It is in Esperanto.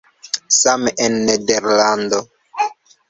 Same en Nederlando.